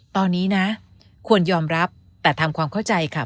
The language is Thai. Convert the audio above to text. ตอนนี้นะควรยอมรับแต่ทำความเข้าใจค่ะ